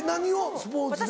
スポーツで。